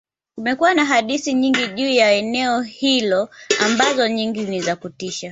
kumekuwa na hadithi nyingi juu ya eneo hilo ambazo nyingi ni za kutisha